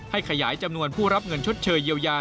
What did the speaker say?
ขยายจำนวนผู้รับเงินชดเชยเยียวยา